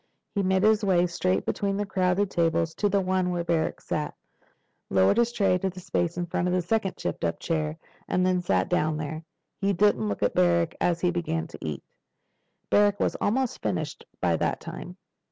He made his way straight between the crowded tables to the one where Barrack sat, lowered his tray to the space in front of the second tipped up chair, and then sat down there. He didn't look at Barrack as he began to eat. Barrack was almost finished by that time.